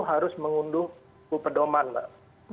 harus mengundung buku pedoman mbak